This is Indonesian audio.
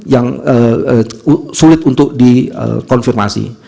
yang sulit untuk dikonfirmasi